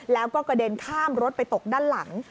แล้วก็กระเด็นข้ามรถไปตกด้านหลัง